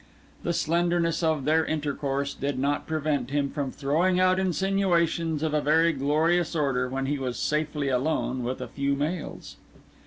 The slenderness of their intercourse did not prevent him from throwing out insinuations of a very glorious order when he was safely alone with a few males.